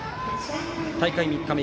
大会３日目